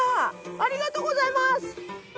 ありがとうございます！